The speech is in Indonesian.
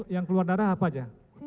yang keluar darah apa aja